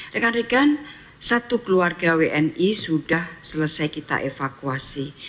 rekan rekan satu keluarga wni sudah selesai kita evakuasi